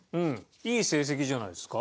いい成績じゃないですか。